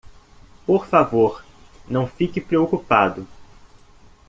Por favor, não fique preocupado.